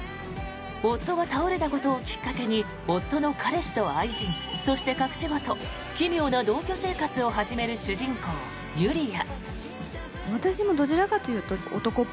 夫が倒れたことをきっかけに夫の彼氏と愛人そして、隠し子と奇妙な同居生活を始める主人公ゆりあ。